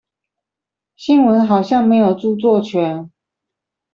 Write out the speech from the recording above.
新聞好像沒有著作權